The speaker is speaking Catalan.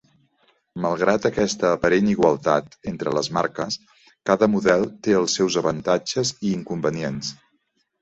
Malgrat aquesta aparent igualtat entre les marques, cada model té els seus avantatges i inconvenients.